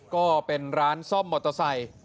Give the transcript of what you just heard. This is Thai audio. ก็เป็นร้านซ่อมมอเตอร์ไซค์